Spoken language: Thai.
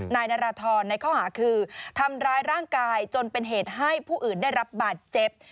นายนาราธรในข้อหาคือทำร้ายร่างกายจนเป็นเหตุให้ผู้อื่นได้รับบาดเจ็บ